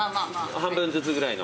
半分ずつぐらいの。